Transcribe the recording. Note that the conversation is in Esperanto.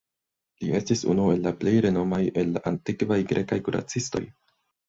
Li estis unu el la plej renomaj el la antikvaj grekaj kuracistoj.